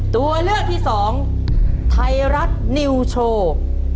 ตัวเลือกที่สองไทยรัฐนิวโชว์